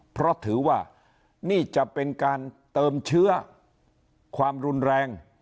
เพราะถือว่านี่จะเป็นการเติมเชื้อความรุนแรง